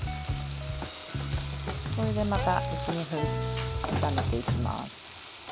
これでまた１２分炒めていきます。